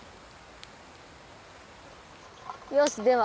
よしでは。